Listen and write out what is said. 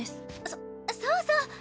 そそうそう！